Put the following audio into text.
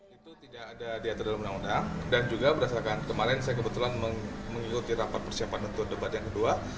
itu tidak ada diatur dalam undang undang dan juga berdasarkan kemarin saya kebetulan mengikuti rapat persiapan untuk debat yang kedua